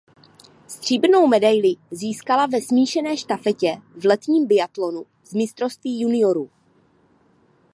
Stříbrnou medaili získala ve smíšené štafetě v letním biatlonu z Mistrovství juniorů.